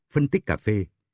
phân tích cà phê